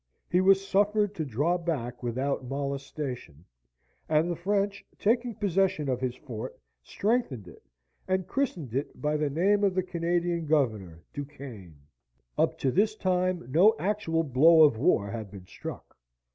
He was suffered to draw back without molestation; and the French, taking possession of his fort, strengthened it, and christened it by the name of the Canadian governor, Du Quesne. Up to this time no actual blow of war had been struck.